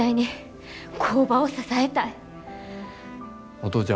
お父ちゃん